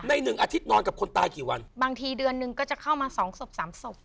หนึ่งอาทิตย์นอนกับคนตายกี่วันบางทีเดือนหนึ่งก็จะเข้ามาสองศพสามศพ